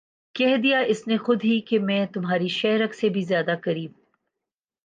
کہہ دیا اس نے خود ہی کہ میں تمھاری شہہ رگ سے بھی زیادہ قریب